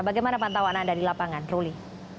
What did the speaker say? bagaimana pantauan anda di lapangan ruli